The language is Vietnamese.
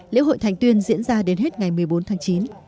lễ hội thành tuyên diễn ra đến hết ngày một mươi bốn tháng chín